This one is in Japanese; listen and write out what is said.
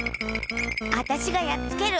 あたしがやっつける。